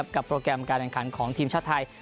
โปรแกรมการแข่งขันของทีมชาติไทย